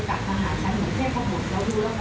แต่ว่าเราก็ต้องกลับกลับ